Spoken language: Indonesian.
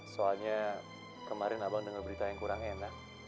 soalnya kemarin abang dengar berita yang kurang enak